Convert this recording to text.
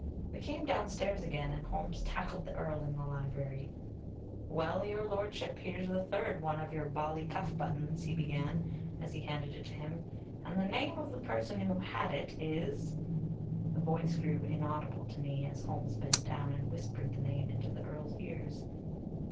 We came downstairs again, and Holmes tackled the Earl in the library. "Well, Your Lordship, here's the third one of your bally cuff buttons," he began, as he handed it to him. "And the name of the person who had it is " The voice grew inaudible to me as Holmes bent down and whispered the name into the Earl's ears.